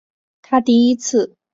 她第一次上台是演死尸。